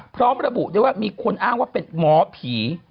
พร้อมระบุได้ว่ามีคนอ้างว่าเป็นหมอผี